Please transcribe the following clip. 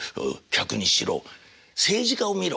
政治家を見ろ。